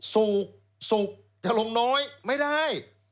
สุกสุกจะลงน้อยไม่ได้